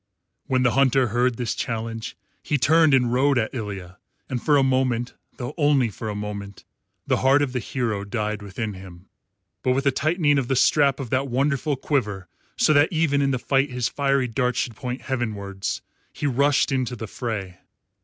When the Hunter heard this challenge he turned and rode at Ilya, and for a moment, though only for a moment, the heart of the hero died within him. But with a tightening of the strap of that wonderful quiver, so that even in the fight his fiery darts should point heavenwards, he rushed into the fray.